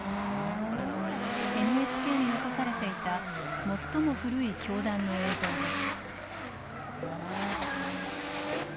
ＮＨＫに残されていた最も古い教団の映像です。